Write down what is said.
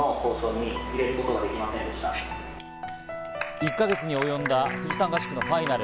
１か月におよんだ富士山合宿のファイナル。